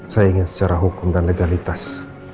saya ingat secara hukum dan legalitas